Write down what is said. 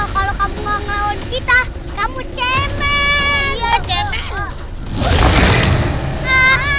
kalau kamu nggak ngelawan kita